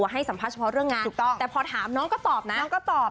ที่ไปร่วมงานอีเวนต์เนี่ยนะครับ